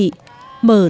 mở thương thương henmech